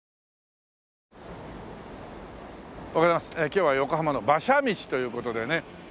今日は横浜の馬車道という事でね。